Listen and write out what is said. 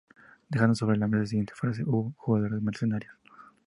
Dejando sobre la mesa la siguiente frase: "Hubo jugadores mercenarios".